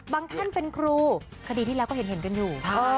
ท่านเป็นครูคดีที่แล้วก็เห็นกันอยู่